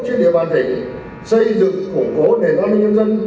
trên địa bàn tỉnh xây dựng củng cố nền an ninh nhân dân